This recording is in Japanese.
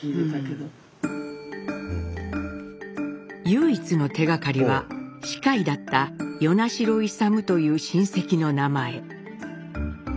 唯一の手がかりは歯科医だった与那城勇という親戚の名前。